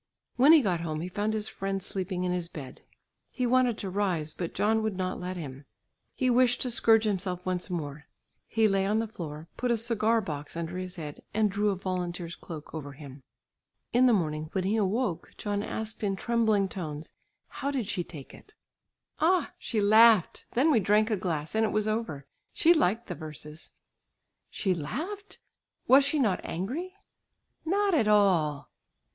When he got home he found his friend sleeping in his bed. He wanted to rise but John would not let him. He wished to scourge himself once more. He lay on the floor, put a cigar box under his head and drew a volunteer's cloak over him. In the morning when he awoke, John asked in trembling tones, "How did she take it?" "Ah, she laughed; then we drank a glass, and it was over. She liked the verses." "She laughed! Was she not angry?" "Not at all."